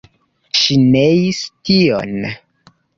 Ŝi neis tion.